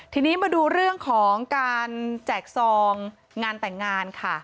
ทีนี้มาดูเรื่องของการแจกซองงานแต่งงานค่ะ